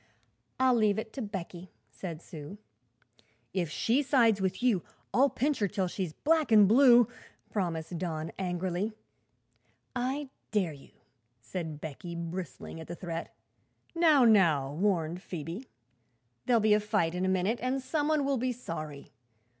"I'll leave it to Becky," said Sue. "If she sides with you, I'll pinch her till she's black an' blue," promised Don angrily. "I dare you," said Becky, bristling at the threat. "Now now!" warned Phoebe; "there'll be a fight in a minute, and some one will be sorry.